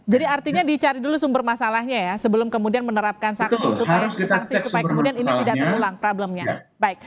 jadi artinya dicari dulu sumber masalahnya ya sebelum kemudian menerapkan saksi supaya kemudian ini tidak terulang problemnya